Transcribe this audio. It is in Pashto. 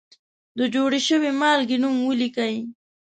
د جوړې شوې مالګې نوم ولیکئ.